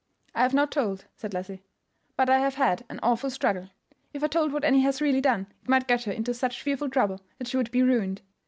"I have not told," said Leslie; "but I have had an awful struggle. If I told what Annie has really done it might get her into such fearful trouble that she would be ruined.